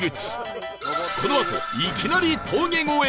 このあといきなり峠越え